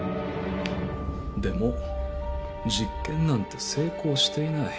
でも実験なんて成功していない。